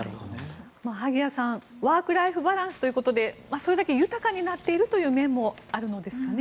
萩谷さん、ワーク・ライフ・バランスということでそれだけ豊かになっているという面もあるのですかね。